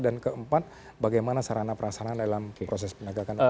dan keempat bagaimana sarana perasaan dalam proses penegakan